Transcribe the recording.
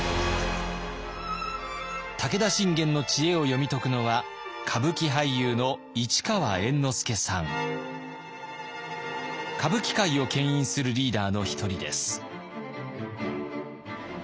武田信玄の知恵を読み解くのは歌舞伎界をけん引するリーダーの一人です。